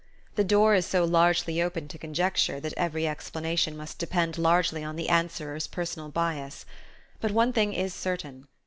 The door is so largely open to conjecture that every explanation must depend largely on the answerer's personal bias. But one thing is certain.